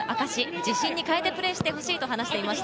自信に変えてプレーしてほしいと話していました。